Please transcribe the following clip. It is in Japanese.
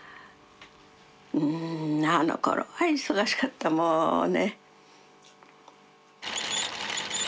うんあのころは忙しかったもうね。